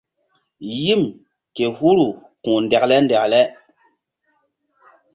Yim ke huru ku̧h ndekle ndekle.